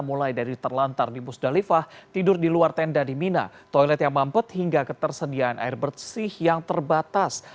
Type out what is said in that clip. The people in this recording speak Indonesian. mulai dari terlantar di musdalifah tidur di luar tenda di mina toilet yang mampet hingga ketersediaan air bersih yang terbatas